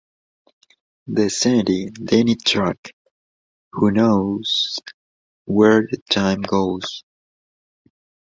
The Sandy Denny track, Who Knows Where the Time Goes?